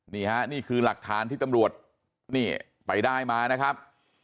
นี่ฮะนี่คือหลักฐานที่ตำรวจนี่ไปได้มานะครับ